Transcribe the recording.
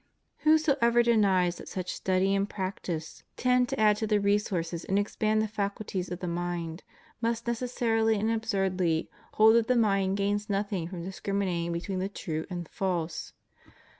Who ever denies that such study and practice tend to add to THE STUDY OF SCHOLASTIC PHILOSOPHY. 43 the resources and expand the faculties of the mind must necessarily and absurdly hold that the mind gains nothing from discriminating between the true and the false.